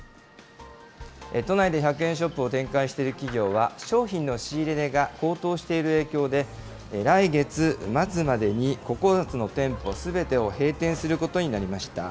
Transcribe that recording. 都内で１００円ショップを展開している企業は、商品の仕入れ値が高騰している影響で、来月末までに９つの店舗すべてを閉店することになりました。